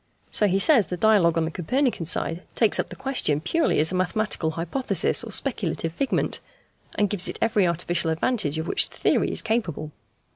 So he says the dialogue on the Copernican side takes up the question purely as a mathematical hypothesis or speculative figment, and gives it every artificial advantage of which the theory is capable.